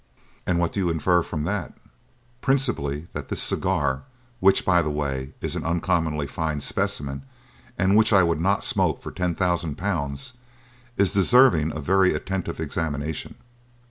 "And what do you infer from that?" "Principally that this cigar which, by the way, is an uncommonly fine specimen and which I would not smoke for ten thousand pounds is deserving of very attentive examination."